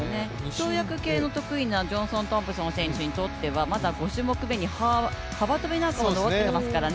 跳躍系の得意なジョンソン・トンプソン選手にとってはまだ５種目目に幅跳びなんかも残っていますからね。